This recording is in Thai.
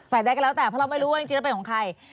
ฝ่ายได้ก็แล้วแต่ว่าเราไม่รู้ว่าจริงจริงมันเป็นของใคร